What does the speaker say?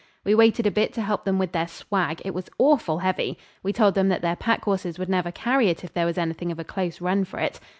We waited a bit to help them with their swag; it was awful heavy. We told them that their pack horses would never carry it if there was anything of a close run for it.